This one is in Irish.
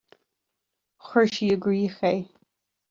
Chuir sí i gcrích é.